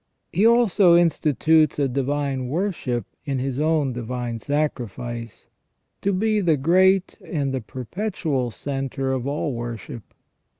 He also institutes a divine worship in His own divine sacrifice, to be the great and the perpetual centre of all worship.